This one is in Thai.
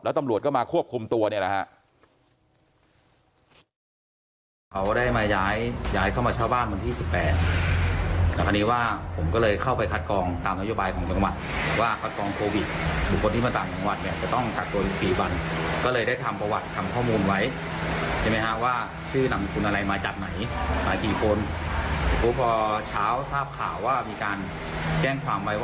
ตำรวจก็มาควบคุมตัวเนี่ยแหละฮะ